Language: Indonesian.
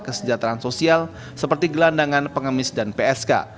kesejahteraan sosial seperti gelandangan pengemis dan psk